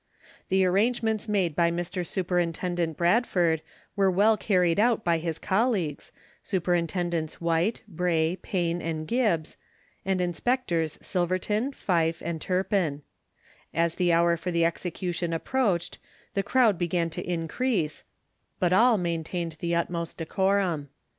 The arrangements made by Mr. Superintendent Bradford were well carried out by his colleagues, Superintendents White, Bray, Payne, and Gibbs, and Inspectors Silverton, Fyfe, and Turpin, As the hour for the execution approached the crowd began to increase, but all maintained the utmost decorum.